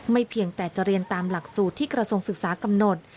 เพียงแต่จะเรียนตามหลักสูตรที่กระทรวงศึกษากำหนด